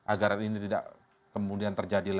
agar ini tidak kemudian terjadi lagi